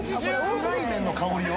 フライ麺の香りを？